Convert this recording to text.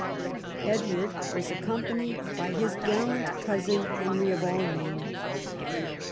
Edward was accompanied by his gallant cousin Henry of Almaine.